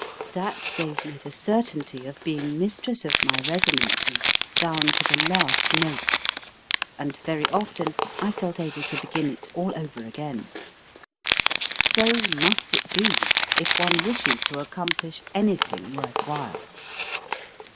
That gave me the certainty of being mistress of my resonances down to the last note; and very often I felt able to begin it all over again. So must it be, if one wishes to accomplish anything worth while.